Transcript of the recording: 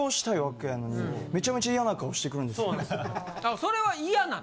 それは嫌なの？